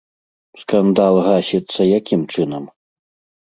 Скандал гасіцца якім чынам?